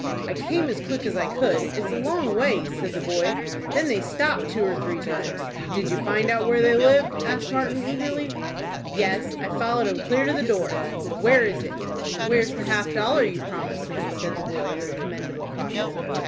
"I came as quick as I could. It's a long ways," said the boy. "Then they stopped two or three times." "Did you find out where they lived?" asked Martin, eagerly. "Yes, I followed 'em clear to the door." "Where is it?" "Where's the half dollar you promised me?" said the boy, with commendable caution.